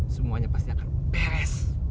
semuanya pasti akan beres